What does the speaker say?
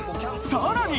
さらに！